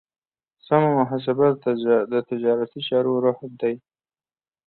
سمه محاسبه د تجارتي چارو روح دی.